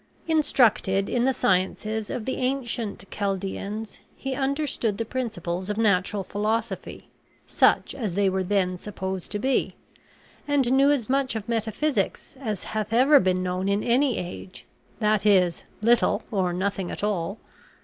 Instructed in the sciences of the ancient Chaldeans, he understood the principles of natural philosophy, such as they were then supposed to be; and knew as much of metaphysics as hath ever been known in any age, that is, little or nothing at all.